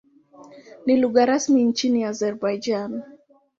Ni lugha rasmi nchini Azerbaijan.